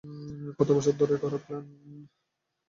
কত বছর ধরে করা প্ল্যান!